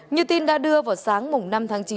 như tin đã đưa vào sáng năm tháng chín